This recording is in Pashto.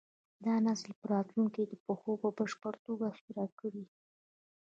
دا نسل به راتلونکي کې پښتو په بشپړه توګه هېره کړي.